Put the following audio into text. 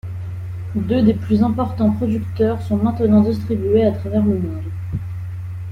Deux des plus importants producteurs sont maintenant distribués à travers le monde.